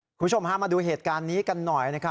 คุณผู้ชมพามาดูเหตุการณ์นี้กันหน่อย